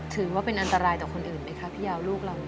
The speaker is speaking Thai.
ถือว่าเป็นอันตรายต่อคนอื่นไหมคะพี่ยาวลูกเรา